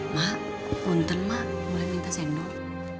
mak konten mak boleh minta sendok